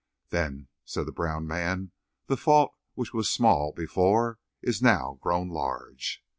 "Then," said the brown man, "the fault which was small before is now grown large."